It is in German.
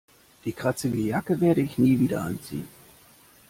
Diese kratzige Jacke werde ich nie wieder anziehen.